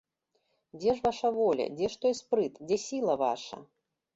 Дзе ж ваша воля, дзе ж той спрыт, дзе сіла ваша?